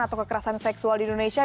atau kekerasan seksual di indonesia